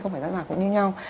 không phải ra giả cũng như nhau